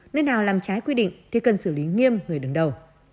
nơi nào làm trái quy định thì cần xử lý nghiêm người đứng đầu